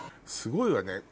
すごいわね